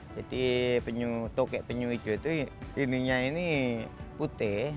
jadi tokek penyuh hijau itu rindunya ini putih